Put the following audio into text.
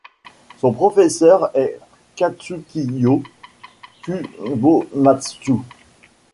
Son professeur était Katsukiyo Kubomatsu.